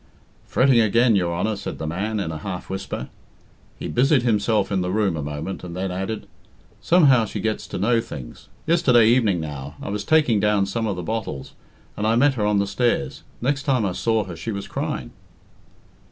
"Fretting again, your Honour," said the man, in a half whisper. He busied himself in the room a moment, and then added, "Somehow she gets to know things. Yesterday evening now I was taking down some of the bottles, and I met her on the stairs. Next time I saw her she was crying."